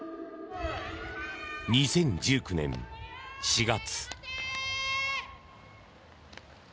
２０１９年４月。